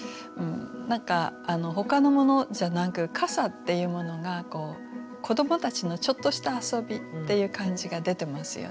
何かほかのものじゃなく傘っていうものが子どもたちのちょっとした遊びっていう感じが出てますよね。